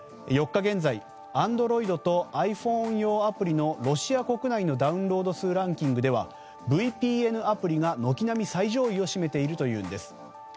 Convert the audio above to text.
４日現在ＡｎｄｒｏｉｄとｉＰｈｏｎｅ用アプリのロシア国内のダウンロード数ランキングではＶＰＮアプリがのきなみ上位を占めているというのです。